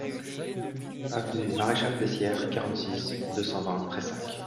Avenue du Maréchal Bessières, quarante-six, deux cent vingt Prayssac